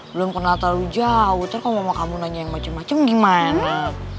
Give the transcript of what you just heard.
belum kenal terlalu jauh ntar kalau mama kamu nanya yang macem macem gimana